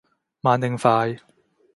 慢定快？